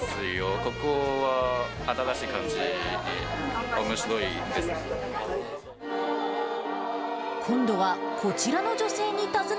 ここは新しい感じで、おもしろいですね。